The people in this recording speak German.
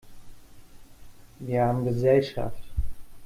Wir haben Gesellschaft!